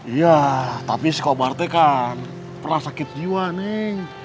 iya tapi si komar itu kan pernah sakit jiwa neng